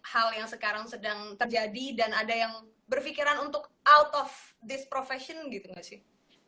hal yang sekarang sedang terjadi dan ada yang berpikiran untuk out of this profession gitu gak sih